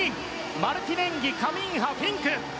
マルティネンギ、カミンハフィンク。